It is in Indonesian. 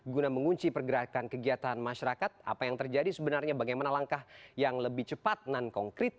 guna mengunci pergerakan kegiatan masyarakat apa yang terjadi sebenarnya bagaimana langkah yang lebih cepat non konkret